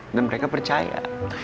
dan mereka percaya